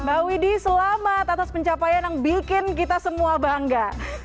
mbak widi selamat atas pencapaian yang bikin kita semua bangga